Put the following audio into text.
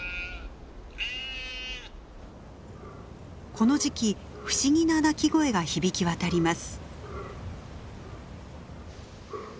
この時期不思議な鳴き声が響き渡ります。